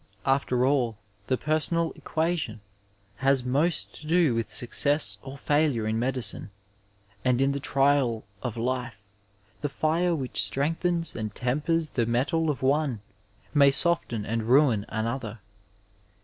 After all, the personal equation has most to do with success or faulure in medicine, and in the trials of life the fire which strengthens and tempers the metal of one may soften and ruin another.